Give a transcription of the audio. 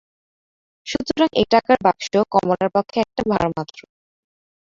সুতরাং এ টাকার বাক্স কমলার পক্ষে একটা ভারমাত্র।